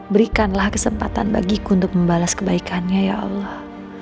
berikanlah kesempatan bagiku untuk membalas kebaikannya ya allah